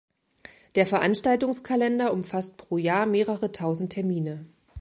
Der Veranstaltungskalender umfasst pro Jahr mehrere tausend Termine.